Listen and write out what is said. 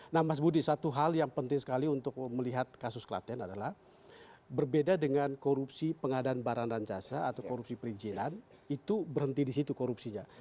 nah mas budi satu hal yang penting sekali untuk melihat kasus klaten adalah berbeda dengan korupsi pengadaan barang dan jasa atau korupsi perizinan itu berhenti di situ korupsinya